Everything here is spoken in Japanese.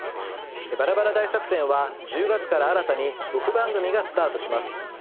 バラバラ大作戦は１０月から新たに６番組がスタートします。